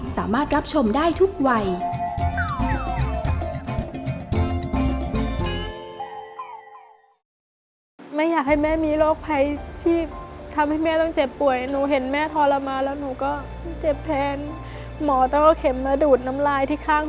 สามารถรับชมได้ทุกวัย